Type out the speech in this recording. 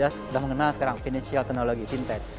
sudah mengenal sekarang financial technology fintech